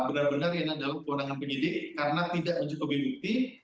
benar benar yang ada di dalam kewenangan penyidik karena tidak mencukupi bukti